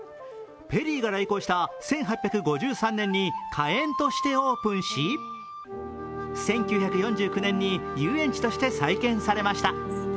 ペリーが来航した１８５３年に花園としてオープンし、１９４９年に遊園地として再建されました。